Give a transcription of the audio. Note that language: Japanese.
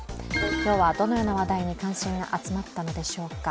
今日はどのようなニュースに関心が集まったのでしょうか。